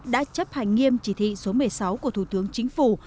đã chấp hành nghiêm chỉ thị số một mươi sáu của thủ tướng chính phủ